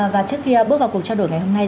và trước khi bước vào cuộc trao đổi ngày hôm nay